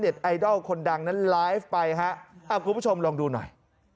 ไอดอลคนดังนั้นไลฟ์ไปฮะคุณผู้ชมลองดูหน่อย